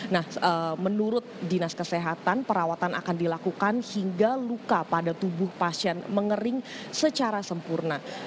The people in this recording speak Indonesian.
nah menurut dinas kesehatan perawatan akan dilakukan hingga luka pada tubuh pasien mengering secara sempurna